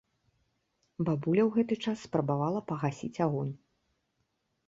Бабуля ў гэты час спрабавала пагасіць агонь.